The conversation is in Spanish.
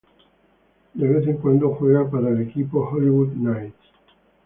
De vez en cuando juega para el equipo Hollywood Knights.